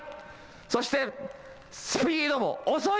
そしてスピードも遅い。